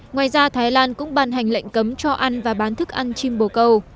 ngoài ra thái lan cũng ban hành lệnh cấm cho ăn và bán thức ăn chim bồ câu